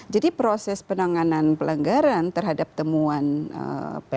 jadi proses penanganan pelanggaran terhadap temuan undang undang